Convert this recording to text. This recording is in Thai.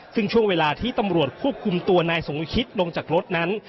ซึ่งช่วงเวลาที่ตำรวจควบคุมตัวนายสมคิตลงจากรถนั้น